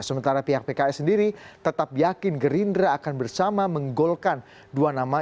sementara pihak pks sendiri tetap yakin gerindra akan bersama menggolkan dua nama